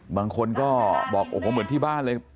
บางคนก็บอกโอ้โหเหมือนที่บ้านเลย